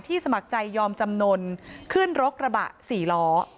ที่สมัครใจยอมจำนลขึ้นรกระบะสี่ล้อ